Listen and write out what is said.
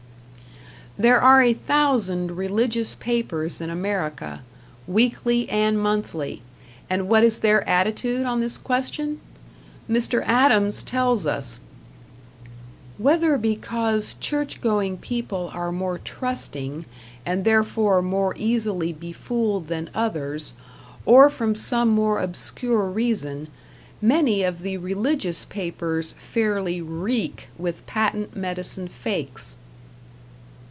There are a thousand religious papers in America, weekly and monthly; and what is their attitude on this question? Mr. Adams tells us: Whether because church going people are more trusting, and therefore more easily befooled than others, or from some more obscure reason, many of the religious papers fairly reek with patent medicine fakes.